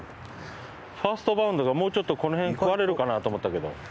ファーストバウンドがもうちょっとこの辺で食われるかなと思ったけど。